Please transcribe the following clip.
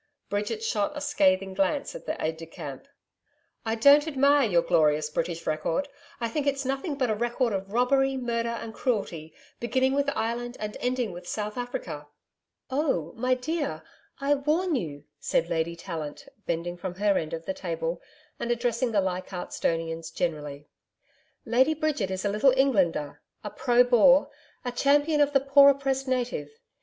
Bridget shot a scathing glance at the aide de camp. 'I don't admire your glorious British record, I think it's nothing but a record of robbery, murder, and cruelty, beginning with Ireland and ending with South Africa.' 'Oh! my dear! I warn you,' said Lady Tallant, bending from her end of the table and addressing the Leichardt'stonians generally. 'Lady Bridget is a little Englander, a pro Boer, a champion of the poor oppressed native.